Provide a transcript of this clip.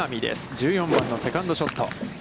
１４番のセカンドショット。